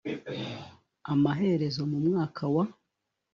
amaherezo mu mwaka wa